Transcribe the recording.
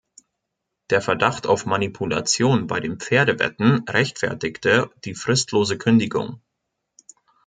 Der Verdacht auf Manipulation bei den Pferdewetten rechtfertigte die fristlose Kündigung.